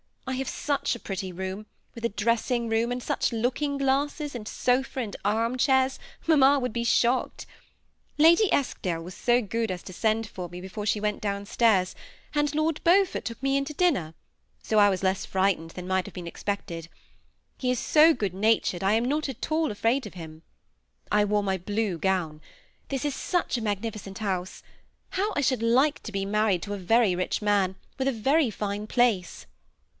I have such a pretty room, with a dressing room, and such looking glasses and sofa and arm chairs, mamma would be shocked. Lady Eskdale was so good as to send for me before she went down stairs, and Lord Beaufort took me in to dinner, so I was less frightened than might THE SEMI ATTACHED COUPLE. 98 have been expected. He is bo good natured, I am not at all afraid of him. I wore mj blue gown. This is such a magnificent house. How I should like to be married to a very rich man, with a very fine place